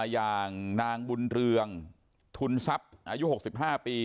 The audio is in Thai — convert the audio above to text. อย่างนางบุญเรืองทุนทรัพย์อายุ๖๕ปี